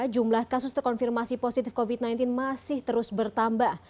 jumlah kasus terkonfirmasi positif covid sembilan belas masih terus bertambah